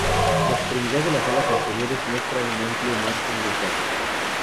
La extremidad de las alas anteriores muestra un amplio margen grisáceo.